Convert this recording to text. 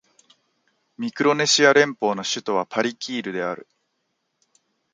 ミクロネシア連邦の首都はパリキールである